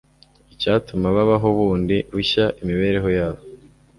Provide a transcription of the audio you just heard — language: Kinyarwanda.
icyatuma babaho bundi bushya imibereho yabo.